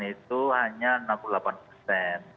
itu hanya enam puluh delapan persen